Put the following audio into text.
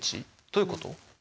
どういうこと？